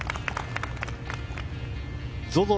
ＺＯＺＯ